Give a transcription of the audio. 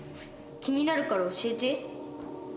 気になるから教えて。